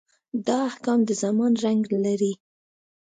دا احکام د زمان رنګ لري.